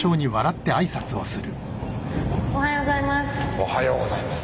おはようございます。